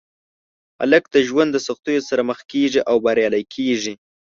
هلک د ژوند د سختیو سره مخ کېږي او بریالی کېږي.